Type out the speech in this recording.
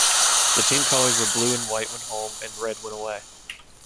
The team colors were blue and white when home, and red when away.